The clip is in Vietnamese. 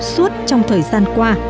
suốt trong thời gian qua